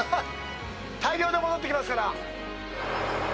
大漁で戻ってきますから。